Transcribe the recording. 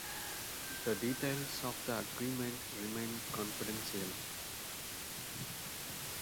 The details of the agreement remain confidential.